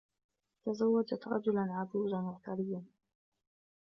تزوجت رجلاً عجوزاً وثرياً.